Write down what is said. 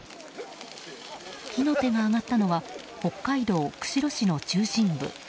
火の手が上がったのは北海道釧路市の中心部。